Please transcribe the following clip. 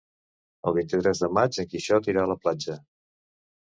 El vint-i-tres de maig en Quixot irà a la platja.